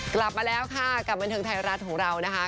กลับมาแล้วค่ะกับบันเทิงไทยรัฐของเรานะคะ